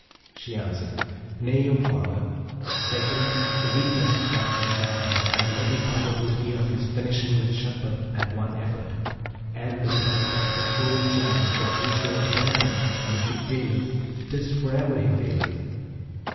She answered, 'Nay, O my father; second, the weakness that's in man, and the little probability of his finishing with Shagpat at one effort; and there is but a sole chance for whoso attempteth, and if he faileth, 'tis forever he faileth.'